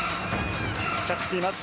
キャッチしています。